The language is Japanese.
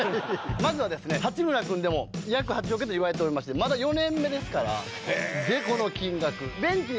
まずはですね八村君でも約８億円といわれておりましてまだ４年目ですからでこの金額。